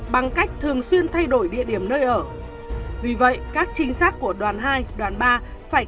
bằng cách thường xuyên thay đổi điện thoại